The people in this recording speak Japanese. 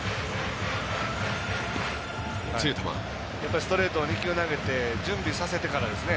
ストレートを２球投げて準備させてからですね。